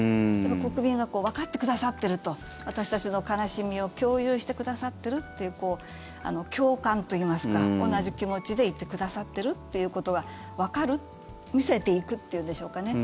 国民がわかってくださってると私たちの悲しみを共有してくださってるという共感といいますか、同じ気持ちでいてくださってるということがわかる、見せていくっていうんでしょうかね。